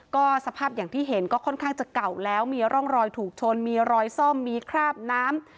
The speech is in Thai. ก็สภาพอย่างที่เห็นก็ค่อนข้างจะเก่าแล้วมีร่องรอยถูกชนมีรอยซ่อมมีคราบน้ำ